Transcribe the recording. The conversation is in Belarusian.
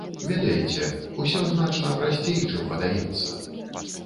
Ведаеце, ўсё значна прасцей, чым падаецца.